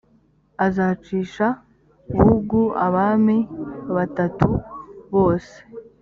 azacisha bugu abami batatu bose